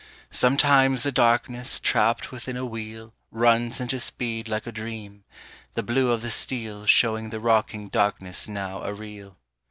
Sometimes the darkness trapped within a wheel Runs into speed like a dream, the blue of the steel Showing the rocking darkness now a reel.